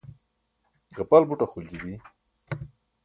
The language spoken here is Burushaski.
gapal buṭ axolji bi